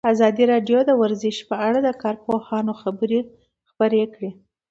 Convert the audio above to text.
ازادي راډیو د ورزش په اړه د کارپوهانو خبرې خپرې کړي.